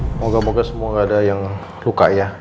semoga moga semua gak ada yang luka ya